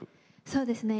そうですね。